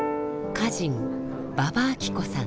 歌人馬場あき子さん。